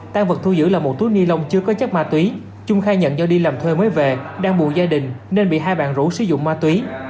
tan vật thu giữ là một túi ni lông chưa có chất ma túy trung khai nhận do đi làm thuê mới về đang bù gia đình nên bị hai bạn rủ sử dụng ma túy